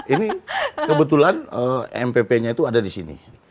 ini kebetulan mpp nya itu ada di sini